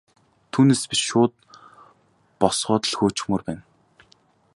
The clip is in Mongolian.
Түүнээс биш шууд босгоод л хөөчихмөөр байна.